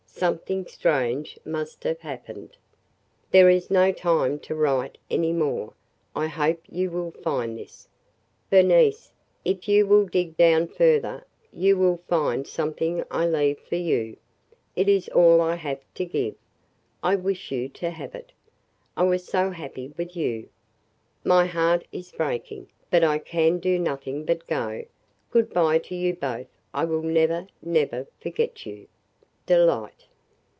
Something strange must have happened. There is no time to write any more. I hope you will find this. Bernice, if you will dig down further you will find something I leave for you. It is all I have to give. I wish you to have it. I was so happy with you. My heart is breaking, but I can do nothing but go. Good by to you both. I will never, never forget you. DELIGHT.